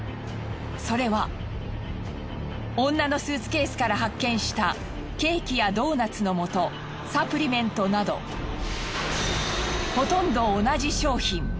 それは女のスーツケースから発見したケーキやドーナツの素サプリメントなどほとんど同じ商品。